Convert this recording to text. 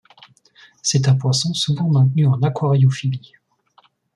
C'est un poisson souvent maintenu en aquariophilie.